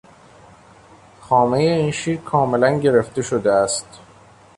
خامهی این شیر کاملا گرفته شده است.